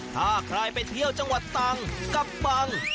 ถ้าใครไปเที่ยวจังหวัดตังค์กับบัง